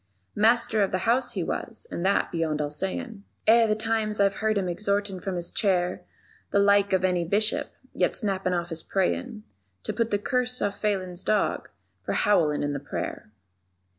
Master of the House he was, and that beyond all sayin', Eh, the times I've heard him exhortin' from his chair The like of any Bishop, yet snappin' off his prayin' _To put the curse on Phelan's dog for howlin' in the prayer.